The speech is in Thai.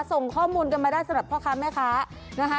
ส่งข้อมูลกันมาได้สำหรับพ่อค้าแม่ค้านะคะ